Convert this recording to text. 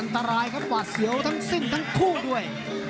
อันตรายครับหวาดเสียวทั้งสิ้นทั้งคู่ด้วย